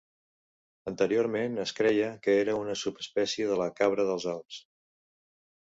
Anteriorment es creia que era una subespècie de la cabra dels Alps.